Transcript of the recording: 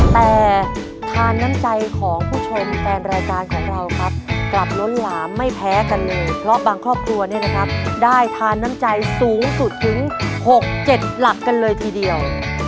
แต่ทานน้ำใจของผู้ชมแฟนรายการของเราครับกลับล้นหลามไม่แพ้กันเลยเพราะบางครอบครัวเนี่ยนะครับได้ทานน้ำใจสูงสุดถึง๖๗หลักกันเลยทีเดียว